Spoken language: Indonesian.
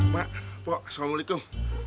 mak pok assalamualaikum